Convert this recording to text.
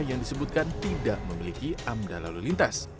yang disebutkan tidak memiliki amdalalu lintas